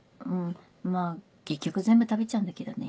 まぁ結局全部食べちゃうんだけどね。